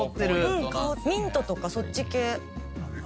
ミントとかそっち系。